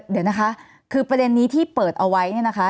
เดี๋ยวนะคะคือประเด็นนี้ที่เปิดเอาไว้เนี่ยนะคะ